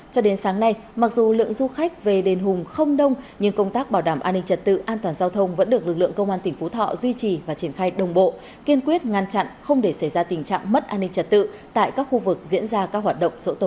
cho đến sáng nay mặc dù lượng du khách về đền hùng không đông nhưng công tác bảo đảm an ninh trật tự an toàn giao thông vẫn được lực lượng công an tỉnh phú thọ duy trì và triển khai đồng bộ kiên quyết ngăn chặn không để xảy ra tình trạng mất an ninh trật tự tại các khu vực diễn ra các hoạt động sổ tổ